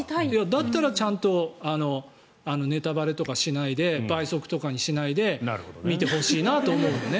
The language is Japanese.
だったらちゃんとネタバレとかしないで倍速とかにしないで見てほしいなと思うよね。